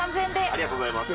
ありがとうございます。